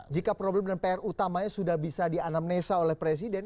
jika problem dan pr utamanya sudah bisa dianamnesa oleh presiden